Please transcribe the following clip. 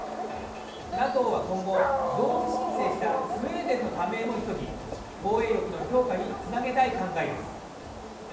ＮＡＴＯは今後、同時申請したスウェーデンの加盟も急ぎ、防衛力の強化につなげたい考えです。